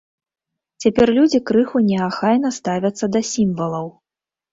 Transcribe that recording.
Цяпер людзі крыху неахайна ставяцца да сімвалаў.